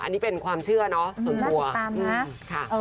อันนี้เป็นความเชื่อเนาะตังค์กลัว